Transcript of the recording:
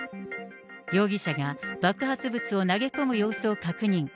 容疑者が爆発物を投げ込む様子を確認。